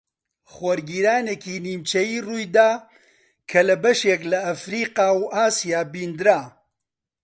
خۆرگیرانێکی نیمچەیی ڕوویدا کە لە بەشێک لە ئەفریقا و ئاسیا بیندرا